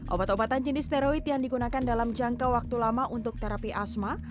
obat obatan jenis steroid yang digunakan dalam jangka waktu lama untuk terapi asma